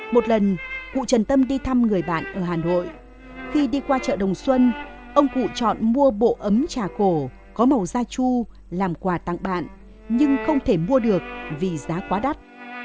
một lần cụ trần tâm đi thăm người bạn ở hà nội khi đi qua chợ đồng xuân ông cụ chọn mua bộ ấm trà cổ có màu gia chu làm quà tặng bạn nhưng không thể mua được vì giá quá đắt